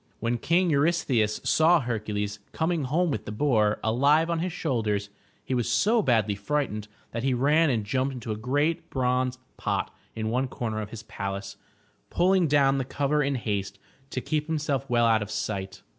When King Eurystheus saw Hercules coming home with the boar alive on his shoulders, he was so badly frightened that he ran and jumped into a great bronze pot in one comer of his palace, pulling down the cover in haste to keep himself well out of sight.